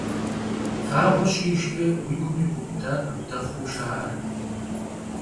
Вагъуэ щижкӏэ уи гум ибубыдэр къыбдэхъуу жаӏэр.